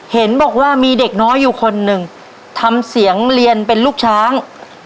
เห็นบอกว่ามีเด็กน้อยอยู่คนหนึ่งทำเสียงเรียนเป็นลูกช้าง